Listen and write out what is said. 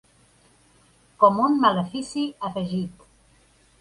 Com un malefici afegit.